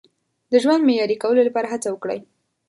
د ژوند معیاري کولو لپاره هڅه وکړئ.